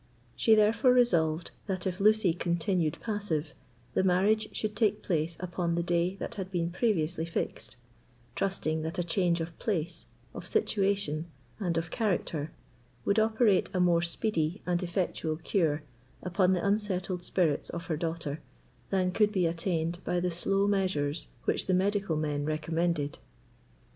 She therefore resolved that, if Lucy continued passive, the marriage should take place upon the day that had been previously fixed, trusting that a change of place, of situation, and of character would operate a more speedy and effectual cure upon the unsettled spirits of her daughter than could be attained by the slow measures which the medical men recommended.